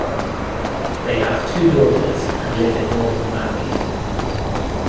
They have two daughters and live in northern Raleigh.